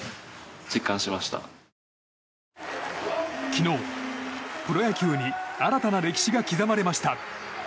昨日、プロ野球に新たな歴史が刻まれました。